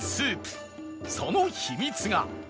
その秘密が